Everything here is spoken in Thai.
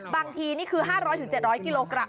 บางทีนี่คือ๕๐๐๗๐๐กิโลกรัม